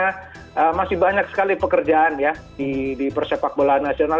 karena masih banyak sekali pekerjaan ya di persepak bola nasional